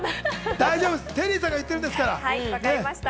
大丈夫です、テリーさんが言ってるんですから。